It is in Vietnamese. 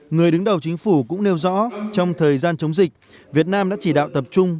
người đứng đầu chính phủ cũng nêu rõ trong thời gian chống dịch việt nam đã chỉ đạo tập trung